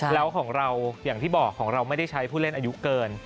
แล้วของเราอย่างที่บอกของเราไม่ได้ใช้ผู้เล่นอายุเกิน